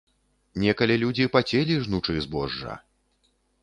Некалі людзі пацелі, жнучы збожжа.